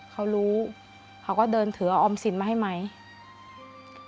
เขารู้เขาก็เดินถือเอาออมสินมาให้ไหม